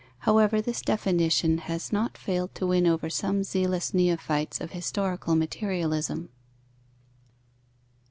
However, this definition has not failed to win over some zealous neophytes of historical materialism.